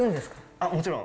あっもちろん。